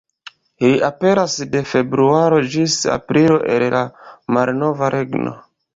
Ili aperas de februaro ĝis aprilo el la malnova ligno.